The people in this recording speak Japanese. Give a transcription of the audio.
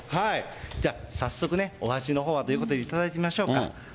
じゃあ早速ね、お味のほうということで、頂きましょうか。